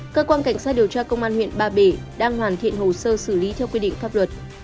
cơ quan cảnh sát điều tra công an huyện ba bể đang hoàn thiện hồ sơ xử lý theo quy định pháp luật